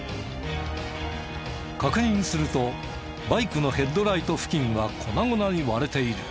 確認するとバイクのヘッドライト付近が粉々に割れている。